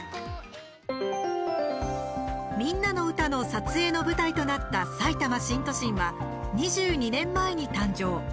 「みんなのうた」の撮影の舞台となったさいたま新都心は２２年前に誕生。